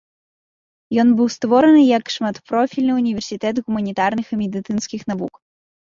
Ён быў створаны як шматпрофільны універсітэт гуманітарных і медыцынскіх навук.